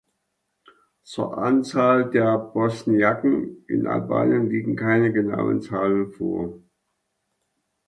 Zur Anzahl der Bosniaken in Albanien liegen keine genauen Zahlen vor.